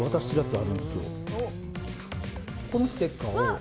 このステッカーを。